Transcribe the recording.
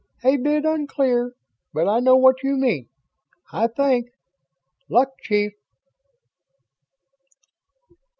"A bit unclear, but I know what you mean I think. Luck, chief."